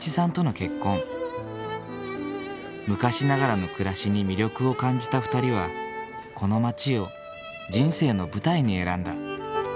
昔ながらの暮らしに魅力を感じた２人はこの町を人生の舞台に選んだ。